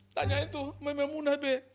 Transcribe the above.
tanyain tuh sama emunah be